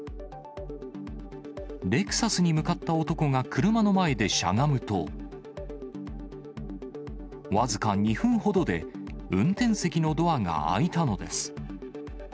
レクサスに向かった男が車の前でしゃがむと、僅か２分ほどで、運転席のドアが開いたのです。